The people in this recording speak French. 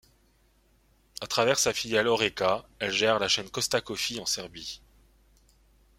À travers sa filiale HoReCa, elle gère la chaîne Costa Coffee en Serbie.